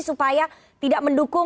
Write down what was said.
supaya tidak mendukung